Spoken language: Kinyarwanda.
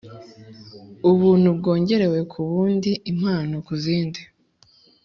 Ubuntu bwongerewe ku bundi, impano ku zindi